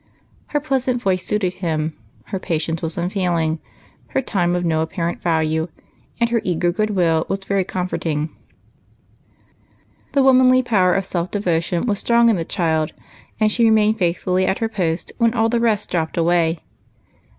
Her pleasant voice suited him, her patience was unfail ing, her time of no apparent value, and her eager good will was very comforting. Tlie womanly power of self devotion was strong in the child, and she remained faithfully at her post when all the rest dropped away.